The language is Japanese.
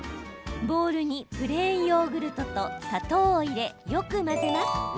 ボウルにプレーンヨーグルトと砂糖を入れ、よく混ぜます。